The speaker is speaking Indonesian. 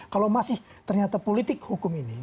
kalau masih ternyata politik hukum ini